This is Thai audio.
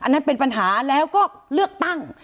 นั่นเป็นปัญหาแล้วก็เลือกตั้ง